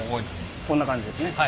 こんな感じですね。